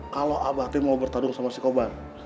kalau abah tuh mau bertadung sama si kho bar